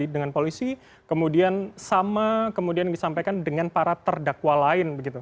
dengan polisi kemudian sama kemudian disampaikan dengan para terdakwa lain